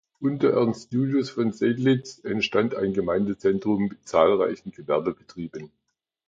Unter Ernst Julius von Seydlitz entstand ein Gemeindezentrum mit zahlreichen Gewerbebetrieben.